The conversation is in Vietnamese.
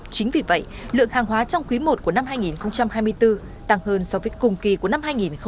chính vì vậy lượng hàng hóa trong quý i của năm hai nghìn hai mươi bốn tăng hơn so với cùng kỳ của năm hai nghìn hai mươi hai